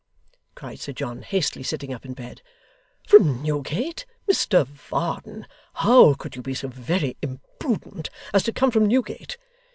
cried Sir John, hastily sitting up in bed; 'from Newgate, Mr Varden! How could you be so very imprudent as to come from Newgate!